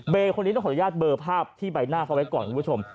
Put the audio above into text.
คนนี้ต้องขออนุญาตเบอร์ภาพที่ใบหน้าเขาไว้ก่อนคุณผู้ชม